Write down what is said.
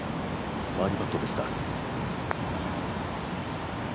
バーディーパットです。